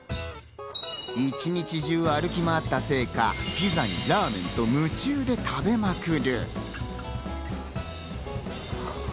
一日中、歩き回ったせいか、ピザにラーメンと、夢中で食べまくる。